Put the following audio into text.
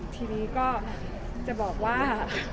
ทีนี้ก็จะบอกว่า